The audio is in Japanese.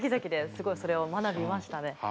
すごいそれを学びましたね。